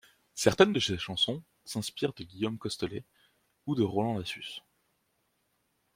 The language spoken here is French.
Certaines de ces chansons s'inspirent de Guillaume Costeley ou de Roland de Lassus.